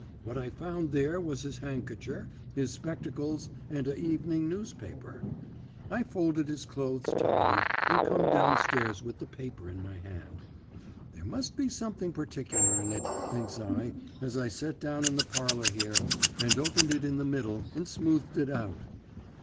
What I found there was his handkercher, his spectacles, and a evening newspaper, I folded his clothes tidy, and come down stairs with the paper in my hand. There must be something particular in it, thinks I, as I set down in the parlour here, and opened it in the middle, and smoothed it out.